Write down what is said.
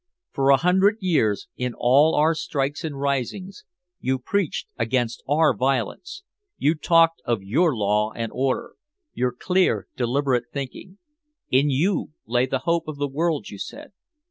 For a hundred years, in all our strikes and risings, you preached against our violence you talked of your law and order, your clear deliberate thinking. In you lay the hope of the world, you said.